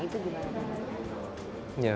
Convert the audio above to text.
itu gimana tuh